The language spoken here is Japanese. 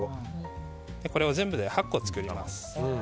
これを全部で８個作ります。